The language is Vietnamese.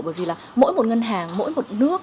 bởi vì mỗi một ngân hàng mỗi một nước